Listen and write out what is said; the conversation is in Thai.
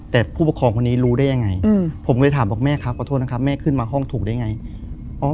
แต่ผู้ปกครองคนนี้รู้ได้ยังไงผมเลยถามบอกแม่ครับขอโทษนะครับแม่ขึ้นมาห้องถูกได้ไง